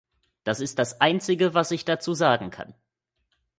Das ist das einzige, was ich dazu sagen kann.